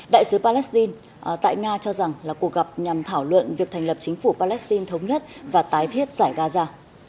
đại sứ palestine tại nga cho rằng là cuộc gặp nhằm thảo luận việc thành lập chính phủ palestine thống nhất và tái thiết giải gaza